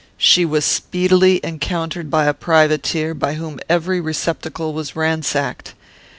She was speedily encountered by a privateer, by whom every receptacle was ransacked.